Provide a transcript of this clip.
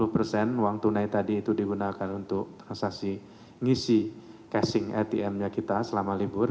lima puluh persen uang tunai tadi itu digunakan untuk transaksi ngisi casing atm nya kita selama libur